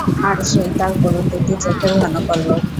আর, সেই তার করুণ দুটি চোখের ঘন পল্লব।